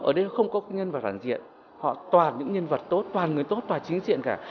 ở đây không có nhân vật toàn diện họ toàn những nhân vật tốt toàn người tốt toàn chính diện cả